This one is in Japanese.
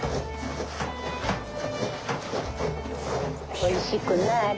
おいしくなれ！